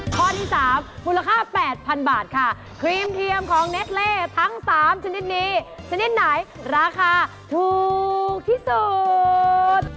ข้อที่๓มูลค่า๘๐๐๐บาทค่ะครีมเทียมของเน็ตเล่ทั้ง๓ชนิดนี้ชนิดไหนราคาถูกที่สุด